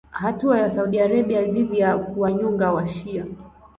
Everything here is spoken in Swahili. Hatua ya Saudi Arabia dhidi ya kuwanyonga washia